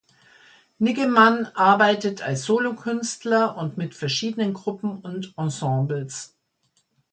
Niggemann arbeitet als Solokünstler und mit verschiedenen Gruppen und Ensembles.